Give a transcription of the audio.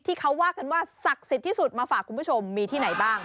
ที่เขาว่ากันว่าศักดิ์สิทธิ์ที่สุดมาฝากคุณผู้ชมมีที่ไหนบ้าง